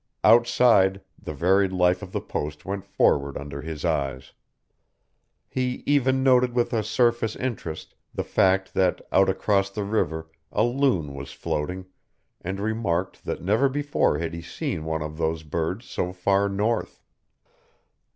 Outside, the varied life of the Post went forward under his eyes. He even noted with a surface interest the fact that out across the river a loon was floating, and remarked that never before had he seen one of those birds so far north.